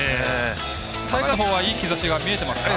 タイガースのほうはいい兆しが見えてますか。